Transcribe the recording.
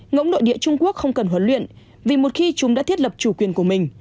ngẫm nội địa trung quốc không cần huấn luyện vì một khi chúng đã thiết lập chủ quyền của mình